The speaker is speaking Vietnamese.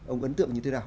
ông ấn tượng như thế nào